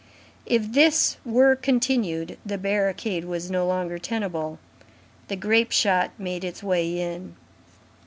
If this were continued, the barricade was no longer tenable. The grape shot made its way in.